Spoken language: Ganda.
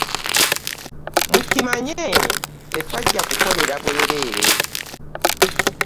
Mukimanye tetwajja kukolera bwereere.